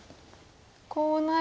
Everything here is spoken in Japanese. こうなると。